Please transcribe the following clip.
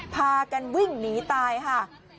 พากันวิ่งหนีตายค่ะ